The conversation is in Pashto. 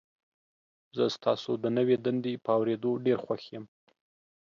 زه ستاسو د نوي دندې په اوریدو ډیر خوښ یم.